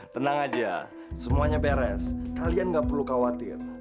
tenang aja semuanya beres kalian nggak perlu khawatir